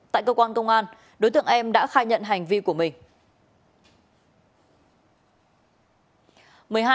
tại cơ quan công an đối tượng em đã khai nhận hành vi của mình